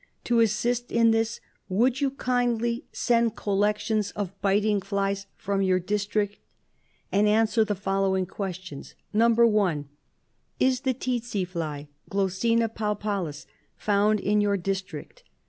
To assist in this, would you kindly send collections of biting flies from your district, and answer the following questions :—" (1) Is the tsetse fly (Glossina palpalis) found in your district